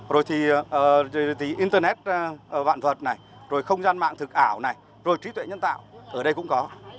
rồi thì internet vạn vật này rồi không gian mạng thực ảo này rồi trí tuệ nhân tạo ở đây cũng có